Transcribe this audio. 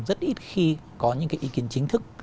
rất ít khi có những cái ý kiến chính thức